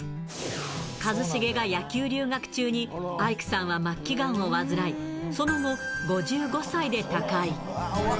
一茂が野球留学中にアイクさんは末期がんを患い、その後、５５歳で他界。